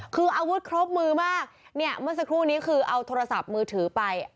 คืออาวุธครบมือมากเนี่ยเมื่อสักครู่นี้คือเอาโทรศัพท์มือถือไป